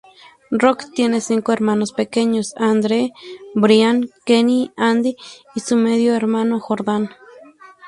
Rock tiene cinco hermanos pequeños: Andre, Brian, Kenny, Andi, y su medio hermano Jordan.